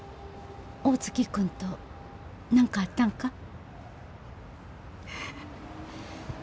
大月君と何かあったんか？